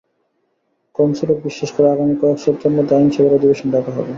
Consulate বিশ্বাস করে, আগামী কয়েক সপ্তাহের মধ্যে আইনসভার অধিবেশন ডাকা হবে।